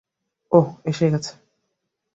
ওহ, এসে গেছে।